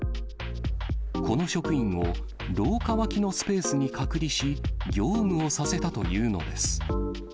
この職員を廊下脇のスペースに隔離し、業務をさせたというのです。